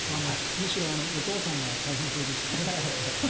むしろお父さんが大変そうでしたね。